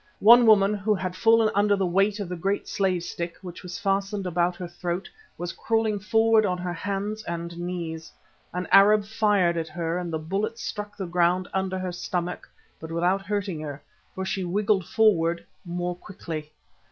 One woman, who had fallen under the weight of the great slave stick which was fastened about her throat, was crawling forward on her hands and knees. An Arab fired at her and the bullet struck the ground under her stomach but without hurting her, for she wriggled forward more quickly.